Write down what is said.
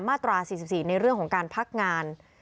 มาตรา๔๔ในเรื่องของการพักงาน